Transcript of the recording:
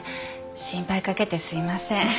心配かけてすいません。